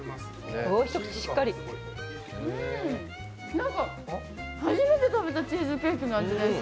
なんか、初めて食べたチーズケーキの味です。